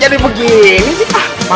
jadi begini sih pak